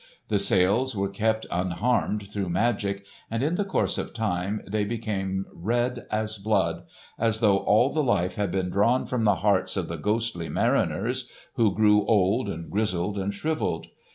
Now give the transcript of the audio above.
The sails were kept unharmed through magic, and in the course of time they became red as blood, as though all the life had been drawn from the hearts of the ghostly mariners who grew old and grizzled and shrivelled.